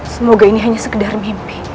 semoga ini hanya sekedar mimpi